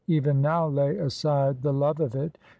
even now lay aside the love of it.